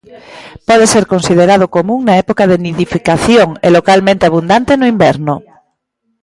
Pode ser considerado común na época de nidificación e localmente abundante no inverno.